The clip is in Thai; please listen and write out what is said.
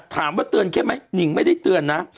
ถามว่าเตือนเข้มไหมนิงไม่ได้เตือนนะ